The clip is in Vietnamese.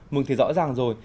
mừng thì rõ ràng rồi